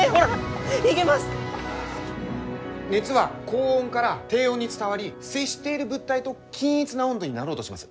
熱は高温から低温に伝わり接している物体と均一な温度になろうとします。